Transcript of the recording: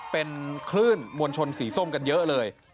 เป็นคลื่นมวลชนสีส้มกันเยอะเลย